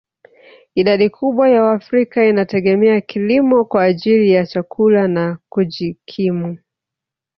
Idadi kubwa ya waafrika inategemea kilimo kwa ajili ya chakula na kujikimu